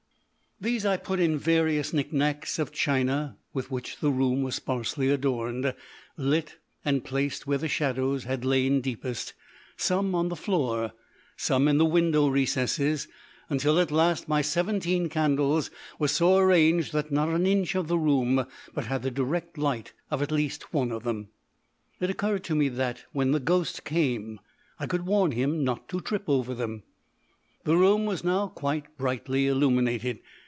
These I put in various knick knacks of china with which the room was sparsely adorned, lit and placed where the shadows had lain deepest, some on the floor, some in the window recesses, until at last my seventeen candles were so arranged that not an inch of the room but had the direct light of at least one of them. It occurred to me that when the ghost came, I could warn him not to trip over them. The room was now quite brightly illuminated.